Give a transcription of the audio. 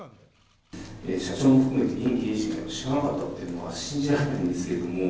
社長も含めて現経営陣が知らなかったっていうのは信じられないんですけれども。